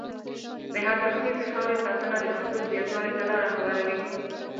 د حاصلخیزې خاورې ساتنه د محصول زیاتوالي ته لاره هواروي.